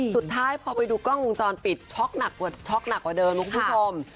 สุดท้ายพอไปดูกล้องวงจรปิดช็อกหนักกว่าเดิมคุณผู้ชม